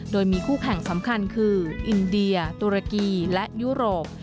โดยมีคู่แข่งสำคัญคืออินเดียตุรกีและยุโรป